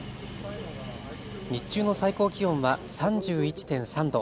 日中の最高気温は３１．３度。